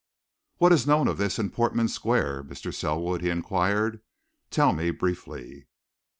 "What is known of this in Portman Square, Mr. Selwood?" he inquired. "Tell me, briefly."